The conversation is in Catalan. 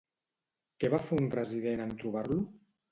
Què va fer un resident en trobar-lo?